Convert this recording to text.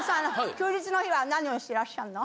休日の日は何をしてらっしゃるの？